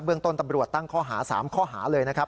ต้นตำรวจตั้งข้อหา๓ข้อหาเลยนะครับ